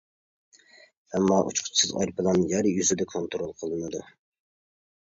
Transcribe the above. ئەمما ئۇچقۇچىسىز ئايروپىلان يەر يۈزىدە كونترول قىلىنىدۇ.